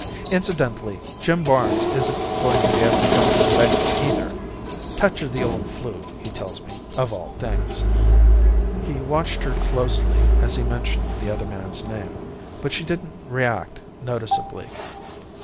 Incidentally, Jim Barnes isn't going to be able to come to the banquet either touch of the old 'flu, he tells me, of all things." He watched her closely as he mentioned the other man's name, but she didn't react noticeably.